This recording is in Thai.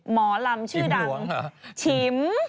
หมอลำชื่อดังฉิมหลวงคะ